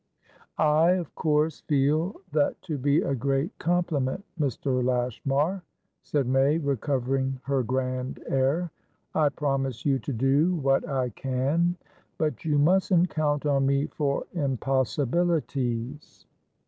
"I of course feel that to be a great compliment, Mr. Lashmar," said May, recovering her grand air. "I promise you to do what I can. But you mustn't count on me for impossibilities."